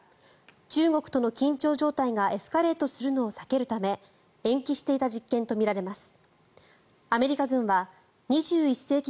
中国との緊張状態がエスカレートするのを避けるため延期していた実験とみられます。